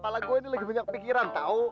pala gue ini lagi banyak pikiran tahu